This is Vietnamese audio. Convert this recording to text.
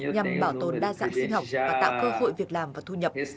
nhằm bảo tồn đa dạng sinh học và tạo cơ hội việc làm và thu nhập